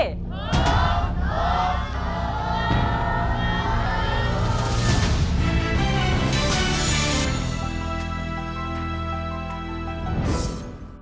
สวัสดีครับ